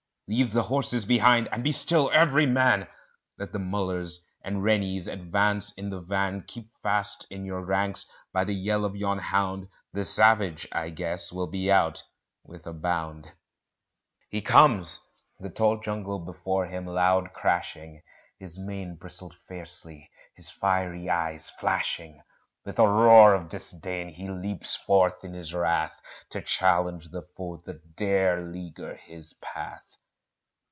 Leave the horses behind and be still every man; Let the Mullers and Rennies advance in the van: Keep fast in your ranks; by the yell of yon hound, The savage, I guess, will be out with a bound. He comes! the tall jungle before him loud crashing, His mane bristled fiercely, his fiery eyes flashing; With a roar of disdain, he leaps forth in his wrath, To challenge the foe that dare 'leaguer his path.